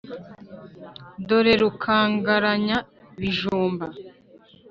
Dore rukangaranya -bijumba.